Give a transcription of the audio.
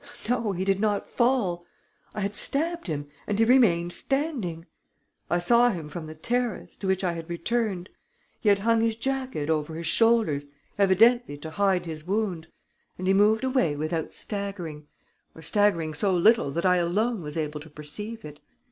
No, he did not fall! I had stabbed him; and he remained standing! I saw him from the terrace, to which I had returned. He had hung his jacket over his shoulders, evidently to hide his wound, and he moved away without staggering ... or staggering so little that I alone was able to perceive it.